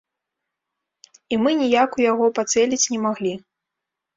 І мы ніяк ў яго пацэліць не маглі.